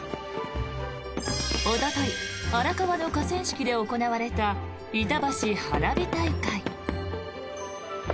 おととい、荒川の河川敷で行われたいたばし花火大会。